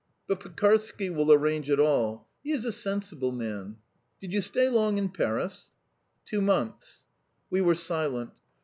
But Pekarsky will arrange it all. He is a sensible man. Did you stay long in Paris?" "Two months." We were silent.